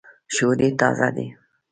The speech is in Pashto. شودې تازه دي.